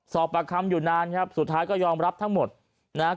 ประคำอยู่นานครับสุดท้ายก็ยอมรับทั้งหมดนะฮะ